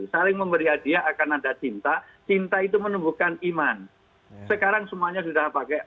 saling memberi hadiah akan ada cinta cinta itu menumbuhkan iman sekarang semuanya sudah pakai